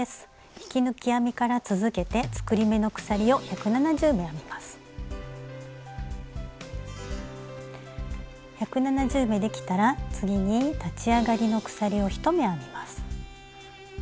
引き抜き編みから続けて１７０目できたら次に立ち上がりの鎖を１目編みます。